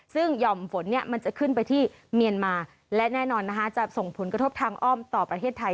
ซึ่งหย่อมฝนเนี่ยมันจะขึ้นไปที่เมียนมาและแน่นอนนะคะจะส่งผลกระทบทางอ้อมต่อประเทศไทย